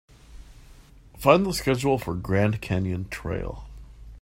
Find the schedule for Grand Canyon Trail.